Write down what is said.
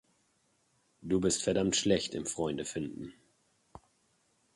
Du bist verdammt schlecht im Freunde finden.